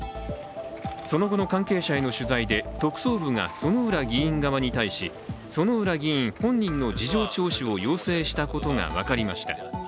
その後の関係者への取材で特捜部が薗浦議員側に対し薗浦議員本人の事情聴取を要請したことが分かりました。